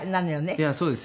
いやそうですよね。